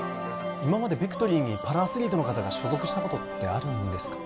今までビクトリーにパラアスリートの方が所属したことってあるんですか？